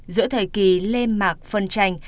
giữa thời kỳ lê mạc phân tranh